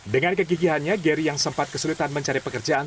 dengan kegigihannya geri yang sempat kesulitan mencari pekerjaan